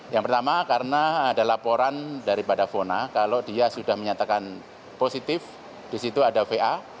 yang pertama karena ada laporan daripada fona kalau dia sudah menyatakan positif disitu ada va